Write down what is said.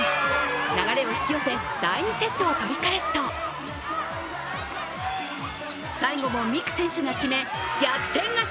流れを引き寄せ第２セットを取り返すと最後も美空選手が決め逆転勝ち。